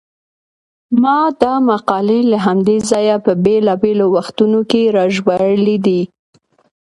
ما دا مقالې له همدې ځایه په بېلابېلو وختونو کې راژباړلې دي.